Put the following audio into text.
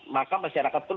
maka masyarakat pun